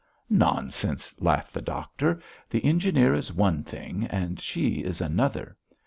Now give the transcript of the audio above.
"Nonsense!" laughed the doctor. "The engineer is one thing and she is another.